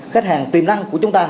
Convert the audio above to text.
khách hàng tiềm năng của chúng ta